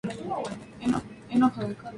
Se cree que su lugar de nacimiento fue Barcelona.